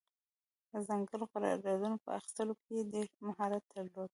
د ځانګړو قراردادونو په اخیستلو کې یې ډېر مهارت درلود.